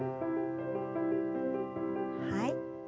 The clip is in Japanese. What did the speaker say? はい。